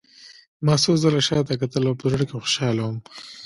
ما څو ځله شا ته کتل او په زړه کې خوشحاله وم